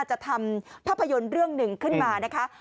จะทำภาพยนตร์เรื่องหนึ่งขึ้นมานะคะ